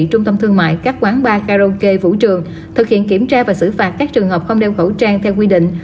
trung tâm thương mại các quán bar karaoke vũ trường thực hiện kiểm tra và xử phạt các trường hợp không đeo khẩu trang theo quy định